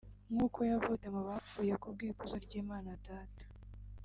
nk’uko yazutse mu bapfuye ku bw’ikuzo ry’Imana Data